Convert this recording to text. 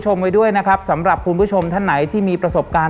ไว้ด้วยนะครับสำหรับคุณผู้ชมท่านไหนที่มีประสบการณ์